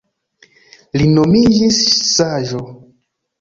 Li nomiĝis Saĝo.